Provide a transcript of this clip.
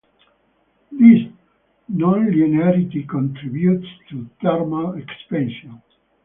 This nonlinearity contributes to thermal expansion.